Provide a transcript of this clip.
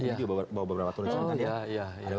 ini juga bawa beberapa tulisan kan ya